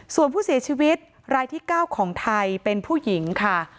ส่วนผู้เสียชีวิตรายที่๙ของไทยเป็นผู้หญิงค่ะ